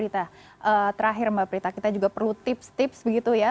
terakhir mbak prita kita juga perlu tips tips begitu ya